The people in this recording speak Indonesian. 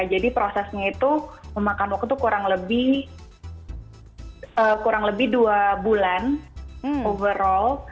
jadi prosesnya itu memakan waktu kurang lebih kurang lebih dua bulan overall